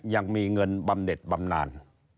ยังมีเงินบำเน็ตบำนาน